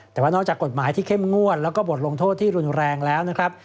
แต่ว่านอกจากกฎหมายที่เข้มงวดแล้วก็บทลงโทษที่รุนแรงแล้วนะครับ